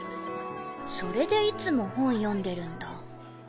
それでいつも本読んでるんだ。